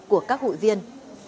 của các hội viên